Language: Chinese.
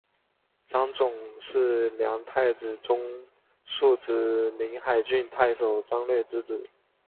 张种是梁太子中庶子临海郡太守张略之子。